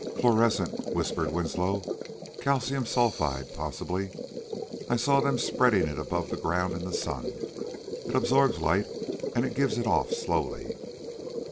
"Fluorescent," whispered Winslow. "Calcium sulphide, possibly; I saw them spreading it above ground in the sun. It absorbs light and gives it off slowly."